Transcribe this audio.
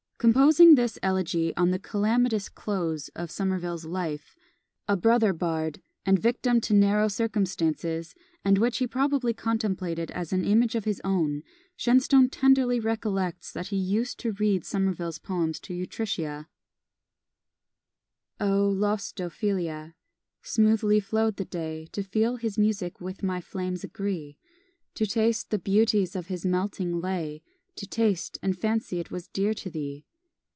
Composing this Elegy on the calamitous close of Somerville's life, a brother bard, and victim to narrow circumstances, and which he probably contemplated as an image of his own, Shenstone tenderly recollects that he used to read Somerville's poems to Utrecia: Oh, lost Ophelia; smoothly flow'd the day To feel his music with my flames agree; To taste the beauties of his melting lay, To taste, and fancy it was dear to thee!